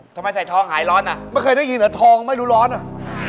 ทำไมใส่ทองหายร้อนอ่ะไม่เคยได้ยินเหรอทองไม่รู้ร้อนอ่ะ